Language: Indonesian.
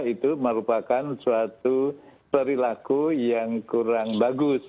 itu merupakan suatu perilaku yang kurang bagus